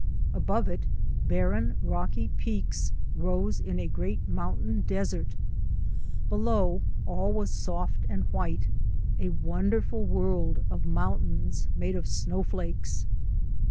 Above it barren, rocky peaks rose in a great mountain desert. Below, all was WINTER MOUNTAINEERING soft and white — a wonderful world of mountains made of snowflakes.